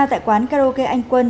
tại quán karaoke anh quân